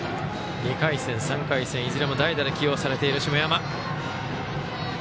２回戦、３回戦いずれも代打で起用されている、下山。